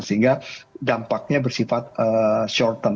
sehingga dampaknya bersifat short term